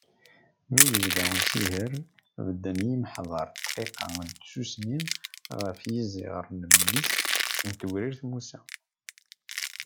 Mi yebda usiher, bedden yimeḥḍar ddqiqa n tsusmi ɣef yiẓiɣer n mmi-s n Tewrirt Musa.